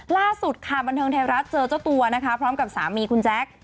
ล่าสุดค่ะบันเทิงไทยรัฐเจอเจ้าตัวนะคะพร้อมกับสามีคุณแจ๊ค